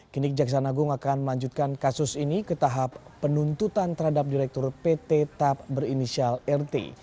kini kejaksaan agung akan melanjutkan kasus ini ke tahap penuntutan terhadap direktur pt tap berinisial rt